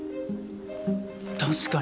確かに。